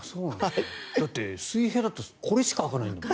だって、水平だとこれしか開かない。